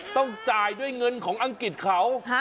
ต้องจ่ายด้วยเงินของอังกฤษเขา